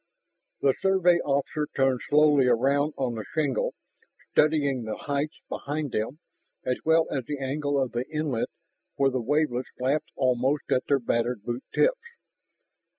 The Survey officer turned slowly around on the shingle, studying the heights behind them as well as the angle of the inlet where the wavelets lapped almost at their battered boot tips.